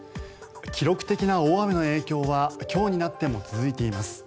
記録的な大雨の影響は今日になっても続いています。